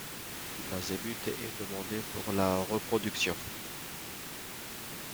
La zébute est demandée pour la reproduction.